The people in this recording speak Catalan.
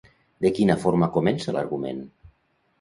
De quina forma comença l'argument?